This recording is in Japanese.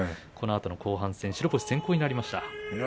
このあとの後半戦白星先行になりました。